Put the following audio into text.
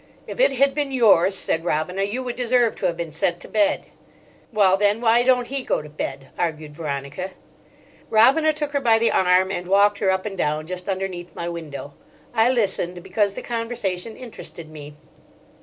"If it had been yours," said Robina, "you would deserve to have been sent to bed." "Well, then, why don't he go to bed?" argued Veronica. Robina took her by the arm and walked her up and down just underneath my window. I listened, because the conversation interested me.